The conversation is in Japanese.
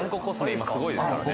今すごいですからね